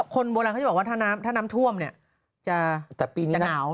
คนโบราณเขาจะบอกว่าถ้าน้ำท่วมจะหนาว